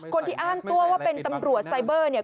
คนที่อ้างตัวว่าเป็นตำรวจไซเบอร์เนี่ย